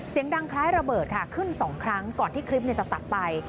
เสียงดังคล้ายระเบิดค่ะขึ้น๒ครั้งก่อนที่คลิปจะตัดไป